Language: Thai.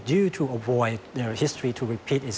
เพื่อที่จะปลอดภัยและสร้างการปลอดภัย